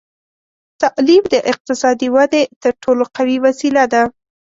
تعلیم د اقتصادي ودې تر ټولو قوي وسیله ده.